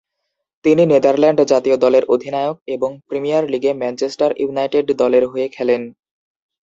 তিনি নেদারল্যান্ড জাতীয় দলের অধিনায়ক এবং প্রিমিয়ার লীগে ম্যানচেস্টার ইউনাইটেড দলের হয়ে খেলেন।